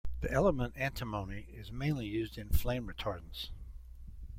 The element antimony is mainly used in flame retardants.